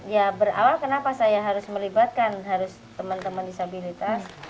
ya berawal kenapa saya harus melibatkan teman teman disabilitas